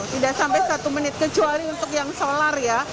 tidak sampai satu menit kecuali untuk yang solar ya